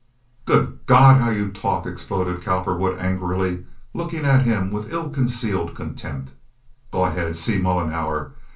"Good God, how you talk!" exploded Cowperwood, angrily, looking at him with ill concealed contempt. "Go ahead! See Mollenhauer!